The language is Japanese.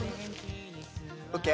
ＯＫ？